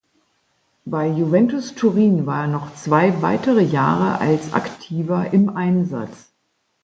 Bei Juventus Turin war er noch zwei weitere Jahre als Aktiver im Einsatz.